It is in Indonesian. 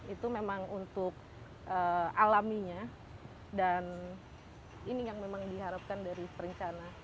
itu memang untuk alaminya dan ini yang memang diharapkan dari perencanaan